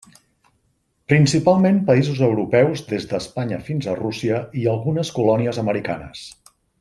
Principalment països europeus des d'Espanya fins a Rússia i algunes colònies americanes.